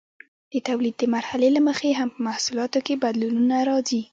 د تولید د مرحلې له مخې هم په محصولاتو کې بدلونونه راځي.